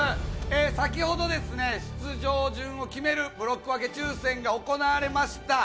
先ほど、出場順を決めるブロック分け抽選が行われました。